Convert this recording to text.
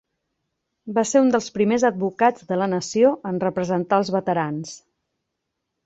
Va ser un dels primers advocats de la nació en representar els veterans.